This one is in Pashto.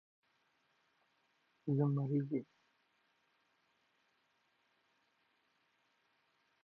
زردشت اورونه مړه شوي وو، برجونه یې د لرغوني مذهب پاتې شوني و.